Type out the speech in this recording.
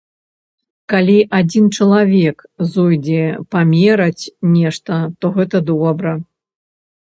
Калі адзін чалавек зойдзе памераць нешта, то гэта добра.